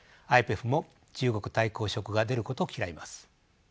ＩＰＥＦも中国対抗色が出ることを嫌います。